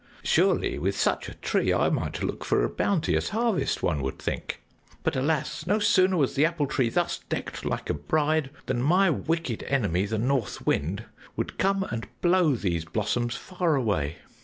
Surely with such a tree I might look for a bounteous harvest, one would think. But, alas! No sooner was the Apple Tree thus decked like a bride than my wicked enemy, the North Wind, would come and blow these blossoms far away.